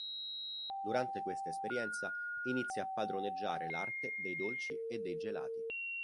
Durante questa esperienza inizia a padroneggiare l'arte dei dolci e dei gelati.